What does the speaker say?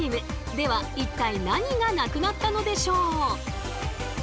では一体何がなくなったのでしょう？